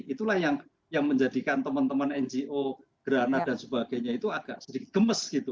itulah yang menjadikan teman teman ngo grana dan sebagainya itu agak sedikit gemes gitu